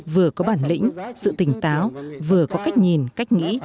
vừa có bản lĩnh sự tỉnh táo vừa có cách nhìn cách nghĩ